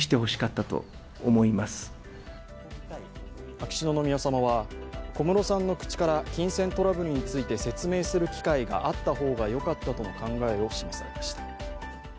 秋篠宮さまは小室さんの口から金銭トラブルについて説明する機会があった方がよかったとの考えを示されました。